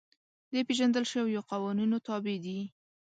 د پېژندل شویو قوانینو تابع دي.